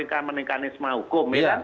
ini bukan organisme hukum ya